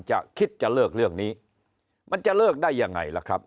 จะคิดจะเลิกเรื่องนี้มันจะเลิกได้ยังไงล่ะครับ